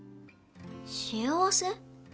幸せ？